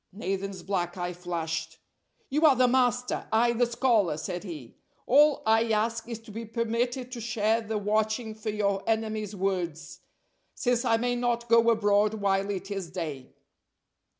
Nathan's black eye flashed. "You are the master, I the scholar," said he. "All I ask is to be permitted to share the watching for your enemy's words, since I may not go abroad while it is day."